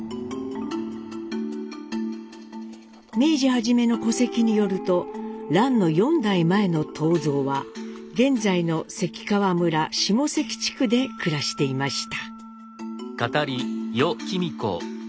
明治初めの戸籍によると蘭の４代前の東蔵は現在の関川村下関地区で暮らしていました。